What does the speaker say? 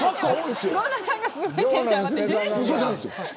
権田さんがすごいテンション上がってる。